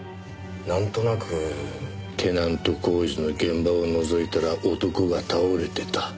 テナント工事の現場をのぞいたら男が倒れてた。